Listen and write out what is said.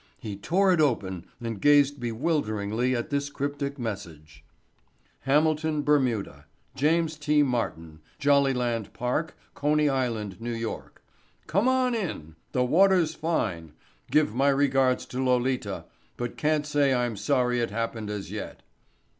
He tore it open and gazed bewilderingly at this cryptic message: HAMILTON, BERMUDA. JAMES T. MARTIN. JOLLYLAND PARK, CONEY ISLAND, N. Y. COME ON IN—THE WATER'S FINE—GIVE MY REGARDS TO LOLITA, BUT CAN'T SAY I'M SORRY IT HAPPENED AS YET.